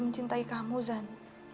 mencintai kamu zan